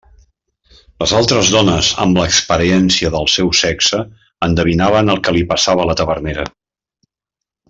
Les altres dones, amb l'experiència del seu sexe, endevinaven el que li passava a la tavernera.